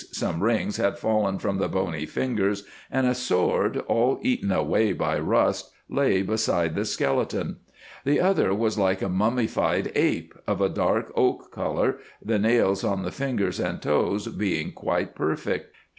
Some rings had fallen from the bony fingers, and a sword, all eaten away by rust, lay beside the skeleton. The other was like a mummified ape, of a dark oak colour, the nails on the fingers and toes being quite perfect.